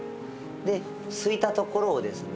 ですいたところをですね